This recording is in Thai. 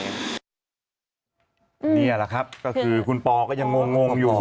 นี่แหละครับก็คือคุณปอก็ยังงงอยู่